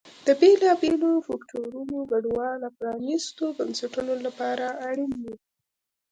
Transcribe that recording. د بېلابېلو فکټورونو ګډوله پرانیستو بنسټونو لپاره اړین دي.